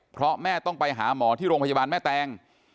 เพราะแม่ต้องไปหาหมอที่โรงพยาบาลแม่แตง